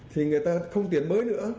thì người ta không tuyển mới nữa